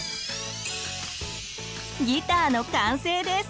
ギターの完成です。